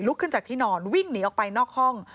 ขึ้นจากที่นอนวิ่งหนีออกไปนอกห้อง